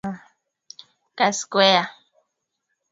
katika sherehe za kipekee na pia kama chakula cha wagonjwa